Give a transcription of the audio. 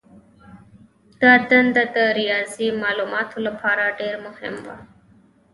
دا دنده د ریاضي مالوماتو لپاره ډېره مهمه وه.